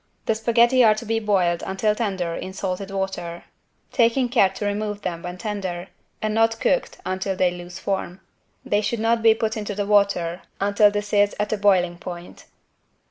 The spaghetti are to be boiled until tender in salted water, taking care to remove them when tender, and not cooked until they lose form. They should not be put into the water until this is at a boiling point.